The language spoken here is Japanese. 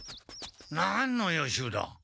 何の予習だ？